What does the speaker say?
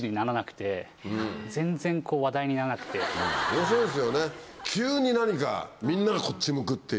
面白いですよね。